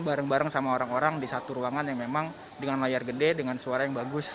bareng bareng sama orang orang di satu ruangan yang memang dengan layar gede dengan suara yang bagus